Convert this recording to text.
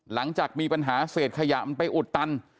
หลังจากมีปัญหาเศษขยะมันไปอุดตัน